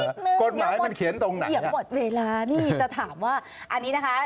ขอทานนิดหนึ่งอย่าหมดเดี๋ยวหมดเวลานี่จะถามว่าอันนี้นะคะ